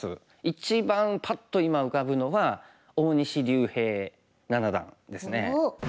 一番パッと今浮かぶのは大西竜平七段ですね。